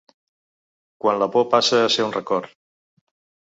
Quan la por passe a ser un record.